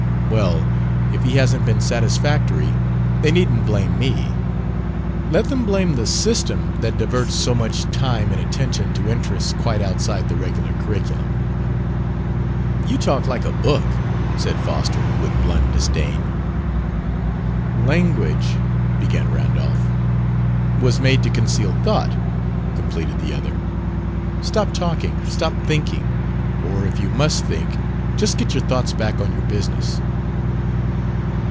Well, if he hasn't been satisfactory, they needn't blame me. Let them blame the system that diverts so much time and attention to interests quite outside the regular curriculum." "You talk like a book!" said Foster, with blunt disdain. "Language " began Randolph. " was made to conceal thought," completed the other. "Stop talking. Stop thinking. Or, if you must think, just get your thoughts back on your business."